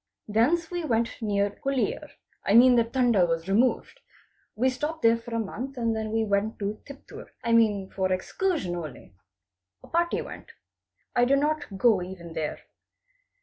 Thence we went near Huliyar—I mean the T'anda was removed. We stopped there a month and then we went to Tiptur—I mean for excursion only. A party went. I did not go even there.